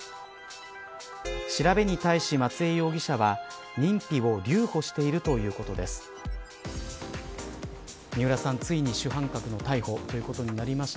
調べに対し松江容疑者は認否を留保しているということです。